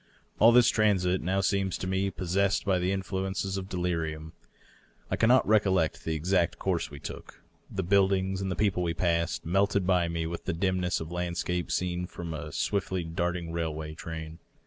All this transit now seems to me possessed by the influences of de lirium. I cannot recollect the exact course we took. The buildings and the people we passed melted by me with the dimness of landscape seen from a swiftly darting railway train.